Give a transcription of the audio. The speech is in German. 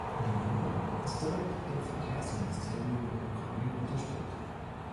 Die U-Bahn ist direkt dem Verkehrsministerium der Ukraine unterstellt.